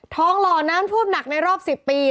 ทองหลอน้ำผูปหนักในรอบ๑๐ปี